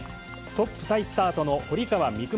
トップタイスタートの堀川未来